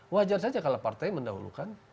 wajar saja kalau partai mendahulukan